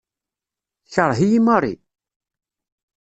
Tekṛeh-iyi Marie?